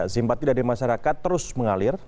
simpat tidak di masyarakat terus mengalir